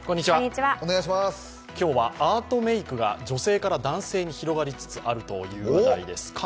今日はアートメイクが女性から男性に広がりつつあるという話題です。